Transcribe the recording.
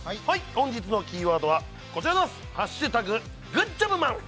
本日のキーワードはこちらです。